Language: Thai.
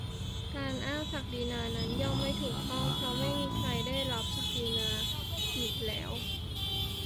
การอ้างศักดินานั้นย่อมไม่ถูกต้อง เพราะไม่มีใครได้รับศักดิ์เป็นนาอีกแล้ว